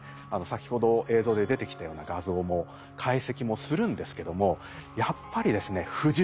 先ほど映像で出てきたような画像も解析もするんですけどもやっぱりですね不十分。